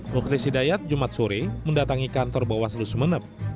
mukhlis hidayat jumat sore mendatangi kantor bawaslu sumeneb